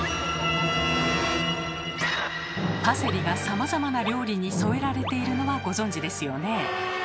パセリがさまざまな料理に添えられているのはご存じですよね？